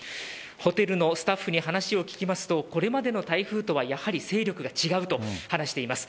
ホテルのスタッフに話を聞きますとこれまでの台風とは勢力が違うと話しています。